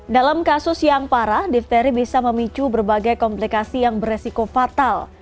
dalam kasus yang parah difteri bisa memicu berbagai komplikasi yang beresiko fatal